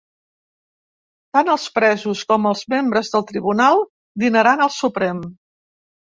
Tant els presos com els membres del tribunal dinaran al Suprem.